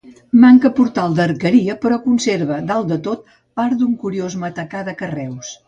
Manca portal d'arqueria però conserva, dalt de tot, part d'un curiós matacà de carreus.